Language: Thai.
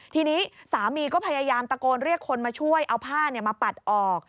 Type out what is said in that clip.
ทีนี้สามีก็พยายามตะโกนเรียกคนมาช่วยเอาผ้ามาปัดออก